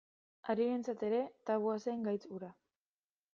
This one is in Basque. Arerioentzat ere tabua zen gaitz hura.